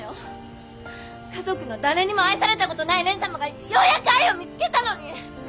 家族の誰にも愛された事ない蓮様がようやく愛を見つけたのに！